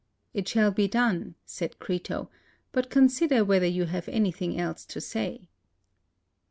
"It shall be done," said Crito, "but consider whether you have anything else to say."